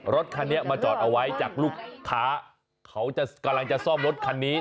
รถคันนี้มาจอดเอาไว้จากลูกค้าเขาจะกำลังจะซ่อมรถคันนี้